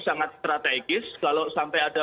sangat strategis kalau sampai ada